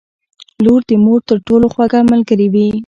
• لور د مور تر ټولو خوږه ملګرې وي.